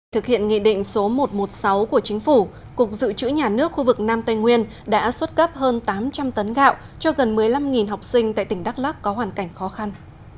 thực hiện nghị định số một trăm một mươi sáu của chính phủ cục dự trữ nhà nước khu vực nam tây nguyên đã xuất cấp hơn tám trăm linh tấn gạo cho gần một mươi năm học sinh tại tỉnh đắk lắc có hoàn cảnh khó khăn